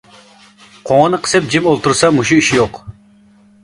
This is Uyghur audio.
قوڭىنى قىسىپ جىم ئولتۇرسا مۇشۇ ئىش يوق.